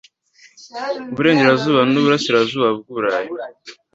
u Burengerazuba n’u Burasirazuba bw’u Burayi